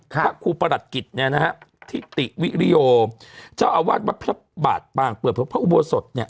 ครับคุณประดัฒนศ์เนี่ยนะฮะทิติวิโย์เจ้าอาวาสบาทป่างเกือบพระอุบัติสดเนี่ย